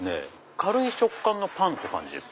軽い食感のパンって感じです。